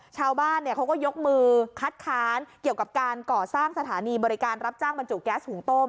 ชาวบ้านเขาก็ยกมือคัดค้านเกี่ยวกับการก่อสร้างสถานีบริการรับจ้างบรรจุแก๊สหุงต้ม